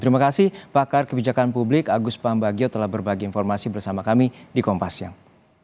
terima kasih pakar kebijakan publik agus pambagio telah berbagi informasi bersama kami di kompas siang